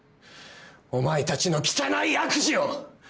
お前たちの汚い悪事を。